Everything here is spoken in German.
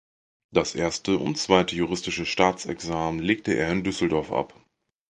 Das erste und zweite juristische Staatsexamen legte er in Düsseldorf ab.